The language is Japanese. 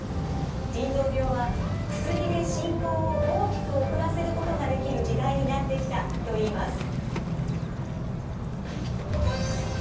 腎臓病は薬で進行を大きく遅らせることができる時代になってきたと言います。